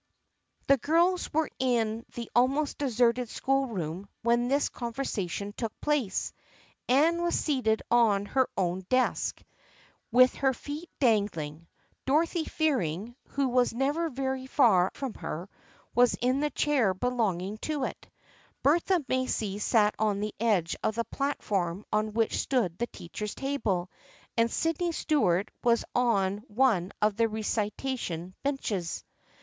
The girls were in the almost deserted school room when this conversation took place. Anne was seated on her own desk with her feet dang ling, Dorothy Fearing, who was never very far from her, was in the chair belonging to it, Bertha Macy sat on the edge of the platform on which stood the teacher's table, and Sydney Stuart was on one of the recitation benches.